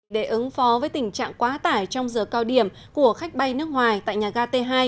để ứng phó với tình trạng quá tải trong giờ cao điểm của khách bay nước ngoài tại nhà ga t hai